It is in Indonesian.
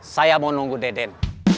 saya mau nunggu deden